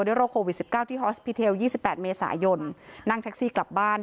ได้โรคโควิดสิบเก้าที่ฮอสพีเทลยี่สิบแปดเมษายนนั่งแท็กซี่กลับบ้าน